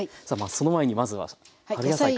その前にまずは春野菜から。